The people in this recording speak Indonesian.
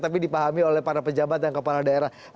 tapi dipahami oleh para pejabat dan kepala daerah